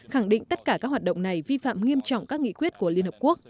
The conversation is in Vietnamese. khẳng định tất cả các hoạt động này vi phạm nghiêm trọng các nghị quyết của liên hợp quốc